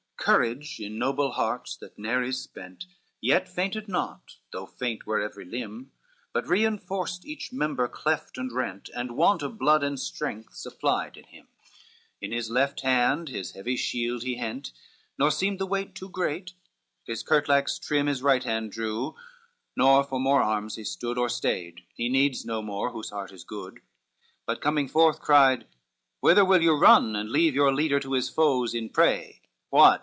LXXXIV Courage in noble hearts that ne'er is spent, Yet fainted not, though faint were every limb, But reinforced each member cleft and rent, And want of blood and strength supplied in him; In his left hand his heavy shield he hent, Nor seemed the weight too great, his curtlax trim His right hand drew, nor for more arms he stood Or stayed, he needs no more whose heart is good: LXXXV But coming forth, cried, "Whither will you run, And leave your leader to his foes in prey? What!